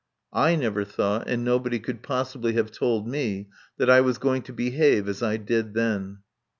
I never thought, and nobody could possibly have told me, that I was going to behave as I did then.